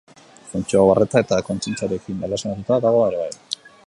Funtzio hau arreta eta kontzientziarekin erlazionatuta dago ere bai.